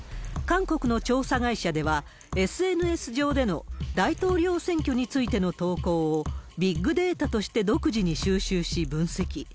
韓国の調査会社では、ＳＮＳ上での大統領選挙についての投稿を、ビッグデータとして独自に収集し分析。